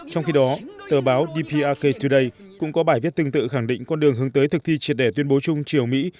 trong khi đó tờ báo dprk today cũng có bài viết tương tự khẳng định con đường hướng tới thực thi triệt đẻ tuyên bố chung triều mỹ